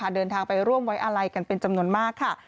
เดินทางไปร่วมไว้อาลัยกันเป็นจำนวนมากค่ะ